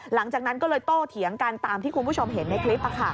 หลังจากนั้นก็เลยโตเถียงกันตามที่คุณผู้ชมเห็นในคลิป